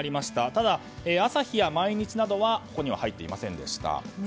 ただ、朝日や毎日などはここには入っていませんでした。